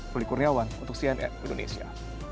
fulikurniawan untuk cnn indonesia